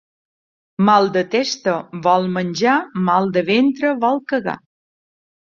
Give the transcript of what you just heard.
Mal de testa vol menjar, mal de ventre vol cagar.